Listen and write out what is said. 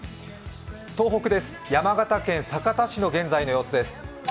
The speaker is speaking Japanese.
東北です、山形県酒田市の現在の様子です。